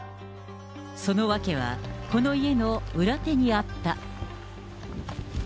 その訳は、この家の裏手にあった。